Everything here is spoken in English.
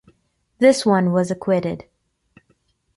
This one was acquitted.